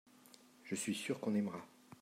je suis sûr qu'on aimera.